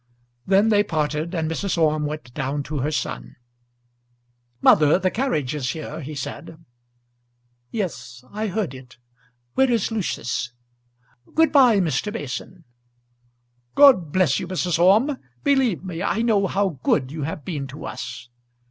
Then they parted, and Mrs. Orme went down to her son. "Mother, the carriage is here," he said. "Yes, I heard it. Where is Lucius? Good bye, Mr. Mason." "God bless you, Mrs. Orme. Believe me I know how good you have been to us."